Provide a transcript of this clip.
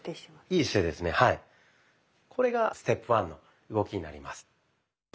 これがステップワンの動きになります。